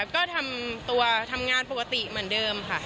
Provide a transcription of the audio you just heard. ก็ทำตัวทำงานปกติเหมือนเดิมค่ะ